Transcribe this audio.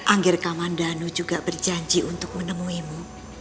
anggir kamandano juga berjanji untuk menemuimu